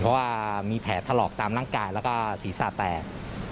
เพราะว่ามีแผลถลอกตามร่างกายแล้วก็ศีรษะแตก